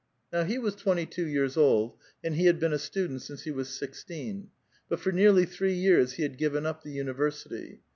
Now he was twenty two years old, and he had been a stu dent since he was sixteen ; but for nearly three years he had given up the University.